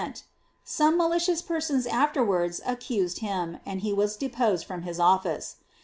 197 Some malicious persons afterwards accused him, and he was deposed from his office.